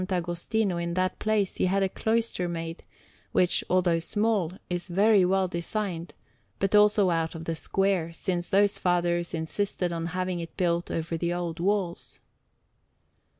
Agostino in that place he had a cloister made, which, although small, is very well designed, but also out of the square, since those Fathers insisted on having it built over the old walls.